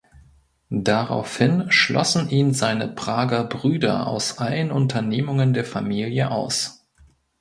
Daraufhin schlossen ihn seine Prager Brüder aus allen Unternehmungen der Familie aus.